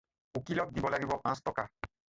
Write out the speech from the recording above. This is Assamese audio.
উকীলক দিব লাগিব পাঁচ টকা।